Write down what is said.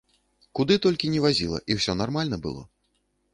Куды толькі не вазіла, і ўсё нармальна было.